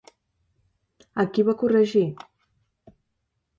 A qui va corregir?